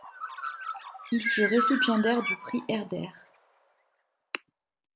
Il fut récipiendaire du Prix Herder.